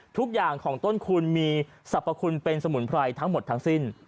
ทุกอย่างของต้นคุณมีสรรพคุณเป็นสมุนไพรทั้งหมดทั้งสิ้น